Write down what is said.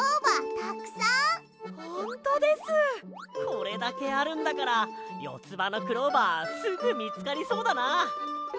これだけあるんだからよつばのクローバーすぐみつかりそうだな！